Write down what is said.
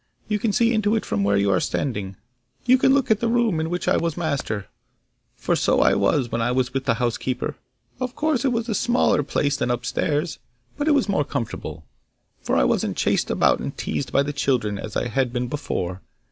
You can see into it from where you are standing; you can look at the room in which I was master, for so I was when I was with the housekeeper. Of course it was a smaller place than upstairs, but it was more comfortable, for I wasn't chased about and teased by the children as I had been before.